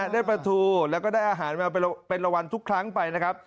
ได้ปลาทูแล้วก็ได้อาหารมาเป็นรางวัลทุกครั้งไปนะครับ